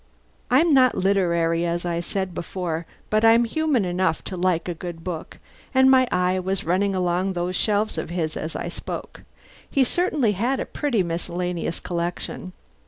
I'm not literary, as I said before, but I'm human enough to like a good book, and my eye was running along those shelves of his as I spoke. He certainly had a pretty miscellaneous collection.